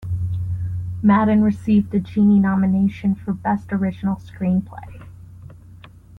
Maddin received a Genie nomination for Best Original Screenplay.